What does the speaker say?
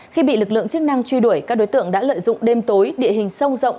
khi bị lực lượng chức năng truy đuổi các đối tượng đã lợi dụng đêm tối địa hình sâu rộng